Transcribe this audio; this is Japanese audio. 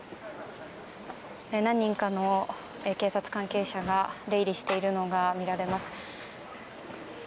何人かの警察関係者が出入りしているのが見られます。